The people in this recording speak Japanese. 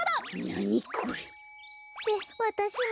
なにこれ？ってわたしも？